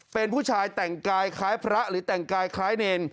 เป็นผู้ชายแต่งกายคล้ายพระหรือแต่งกายคล้ายเนร